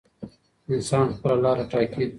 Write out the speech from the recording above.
انسان خپله لاره ټاکي.